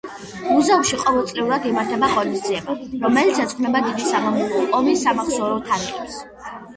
მუზეუმში ყოველწლიურად იმართება ღონისძიება, რომელიც ეძღვნება დიდი სამამულო ომის სამახსოვრო თარიღებს.